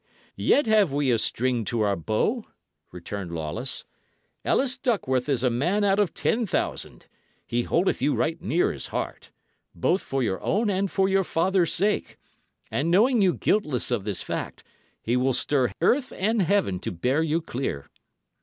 "Yet have we a string to our bow," returned Lawless. "Ellis Duckworth is a man out of ten thousand; he holdeth you right near his heart, both for your own and for your father's sake; and knowing you guiltless of this fact, he will stir earth and heaven to bear you clear."